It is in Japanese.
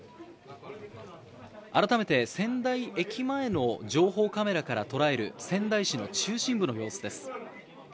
改めて仙台駅前の情報カメラから捉える仙台市の中心部の様子です。